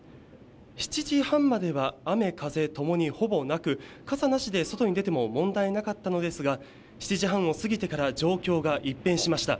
７時半までは雨風ともにほぼなく、傘なしで外に出ても問題なかったのですが７時半を過ぎてから状況が一変しました。